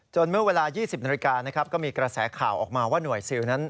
เมื่อเวลา๒๐นาฬิกานะครับก็มีกระแสข่าวออกมาว่าหน่วยซิลนั้น